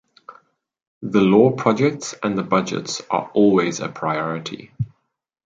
The law projects and the budgets are always a priority.